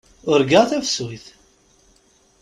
Urgaɣ tafsut.